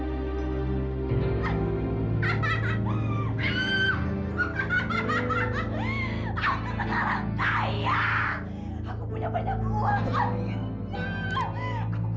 aku punya banyak uang